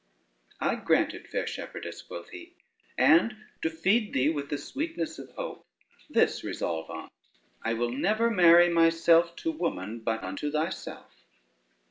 "I grant it, fair shepherdess," quoth he; "and to feed thee with the sweetness of hope, this resolve on: I will never marry myself to woman but unto thyself."